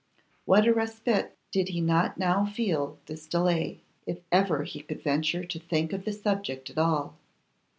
What a respite did he not now feel this delay! if ever he could venture to think of the subject at all.